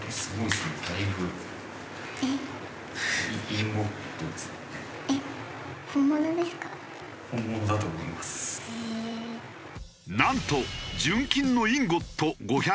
なんと純金のインゴット５００グラム。